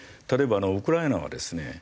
例えばウクライナはですね